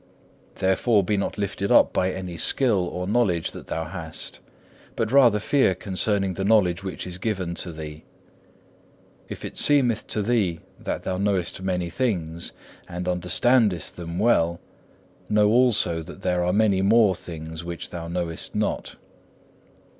Therefore be not lifted up by any skill or knowledge that thou hast; but rather fear concerning the knowledge which is given to thee. If it seemeth to thee that thou knowest many things, and understandest them well, know also that there are many more things which thou knowest not.